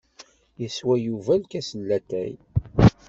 Yeswa Yuba lkas n latay.